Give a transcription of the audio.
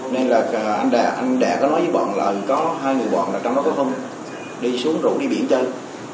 nên là anh đại có nói với bọn là có hai người bọn là trong đó có hưng đi xuống rủ đi biển chơi